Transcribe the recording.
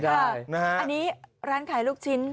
อันนี้ร้านขายลูกชิ้น